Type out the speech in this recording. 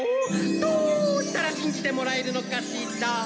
どうしたらしんじてもらえるのかしら？